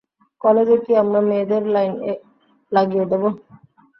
কলেজে কি আমরা মেয়েদের লাইন লাগিয়ে দেবো?